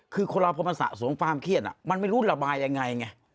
คือคนเราพอมันสะสมความเครียดมันไม่รู้ระบายยังไงไง